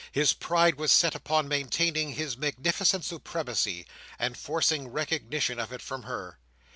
His pride was set upon maintaining his magnificent supremacy, and forcing recognition of it from her.